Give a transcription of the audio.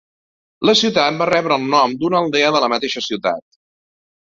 La ciutat va rebre el nom d'una aldea de la mateixa ciutat.